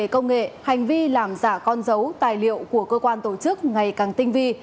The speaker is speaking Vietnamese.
khi làm giả con dấu tài liệu của cơ quan tổ chức ngày càng tinh vi